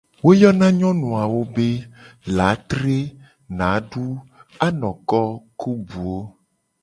Wo yona nyonu awo be : latre, nadu, anoko, ku buwo.